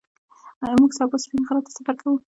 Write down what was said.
موږ سبا سپین غره ته سفر کوو